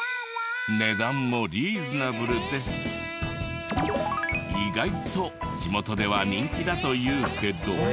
値段もリーズナブルで意外と地元では人気だというけど。